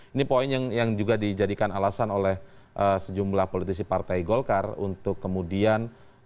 ini poin yang juga dijadikan alasan oleh sejumlah politisi partai golkar untuk kemudian